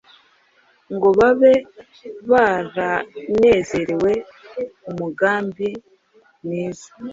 ngo babe baranezerewe umugambi mwiza